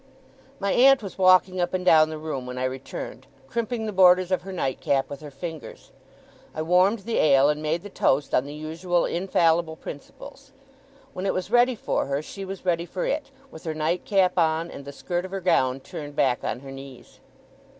My aunt was walking up and down the room when I returned, crimping the borders of her nightcap with her fingers. I warmed the ale and made the toast on the usual infallible principles. When it was ready for her, she was ready for it, with her nightcap on, and the skirt of her gown turned back on her knees.